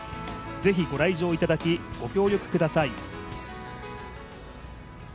ぜひご来場いただき、ご協力ください。